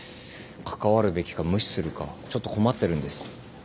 関わるべきか無視するかちょっと困ってるんです。